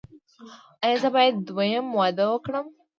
ایا زه باید دویم واده وکړم؟